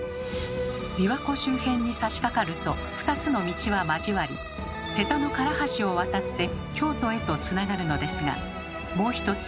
琵琶湖周辺にさしかかると２つの道は交わり瀬田の唐橋を渡って京都へとつながるのですがもう一つ